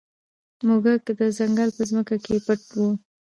موږک د ځنګل په ځمکه کې پټ وي.